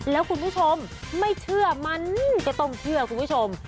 แล้วคุณผู้ชมไม่เชื่อมันก็ต้องเชื่อคุณผู้ชม